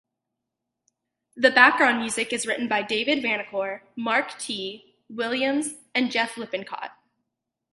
The background music is written by David Vanacore, Mark T, Williams, and Jeff Lippencott.